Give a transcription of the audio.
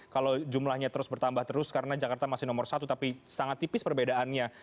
kalau jumlahnya terus bertambah terus karena jakarta masih nomor satu tapi sangat tipis perbedaannya